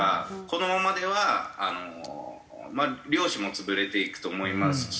このままでは漁師も潰れていくと思いますし。